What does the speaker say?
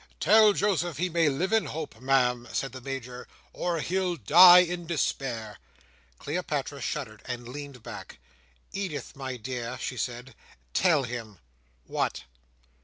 "Tell Joseph, he may live in hope, Ma'am," said the Major; "or he'll die in despair." Cleopatra shuddered, and leaned back. "Edith, my dear," she said. "Tell him—" "What?"